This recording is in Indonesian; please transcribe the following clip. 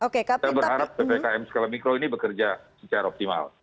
kita berharap ppkm skala mikro ini bekerja secara optimal